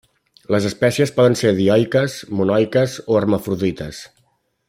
Les espècies poden ser dioiques, monoiques o hermafrodites.